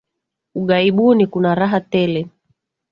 Ughaibuni kuna raha tele